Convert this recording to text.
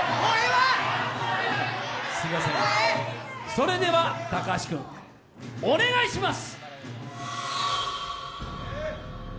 それでは高橋君、お願いします！